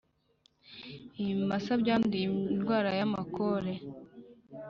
Ibimasa byanduye indwara y’amakore